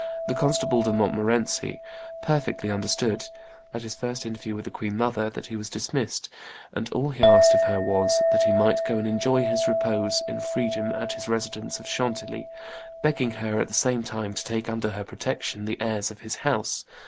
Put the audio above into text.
the Constable de Montmorency, perfectly understood, at his first interview with the queen mother, that he was dismissed, and all he asked of her was, that he might go and enjoy his repose in freedom at his residence of Chantilly, begging her at the same time to take under her protection the heirs of his house.